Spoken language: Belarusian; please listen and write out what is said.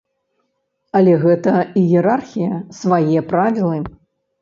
Але гэта іерархія, свае правілы.